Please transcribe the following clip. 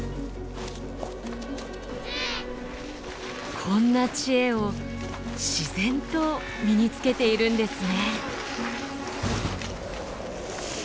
こんな知恵を自然と身につけているんですね。